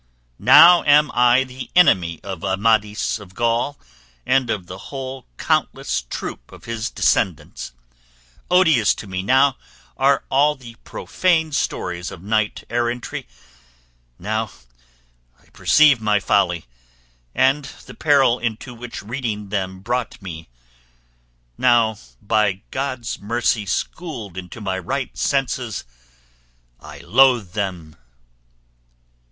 Now am I the enemy of Amadis of Gaul and of the whole countless troop of his descendants; odious to me now are all the profane stories of knight errantry; now I perceive my folly, and the peril into which reading them brought me; now, by God's mercy schooled into my right senses, I loathe them."